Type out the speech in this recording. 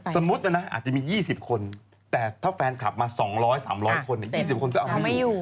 สมมุตินะนะอาจจะมี๒๐คนแต่ถ้าแฟนคลับมา๒๐๐๓๐๐คน๒๐คนก็เอาไม่อยู่